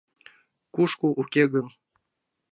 — Кушко уке гын?